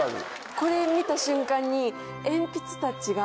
これ見た瞬間に。